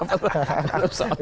tapi ya udah itu